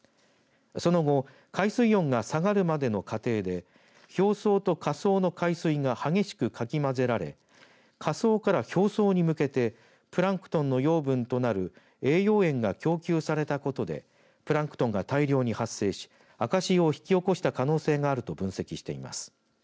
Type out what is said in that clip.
その後、海水温が下がるまでの過程で表層と下層の海水が激しくかき混ぜられ下層から表層に向けてプランクトンの養分となる栄養塩が供給されたことでプランクトンが大量に発生し赤潮を引き起こした可能性があると分析しています。